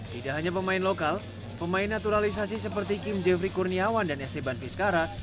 tidak hanya pemain lokal pemain naturalisasi seperti kim jeffrey kurniawan dan esteban vizcara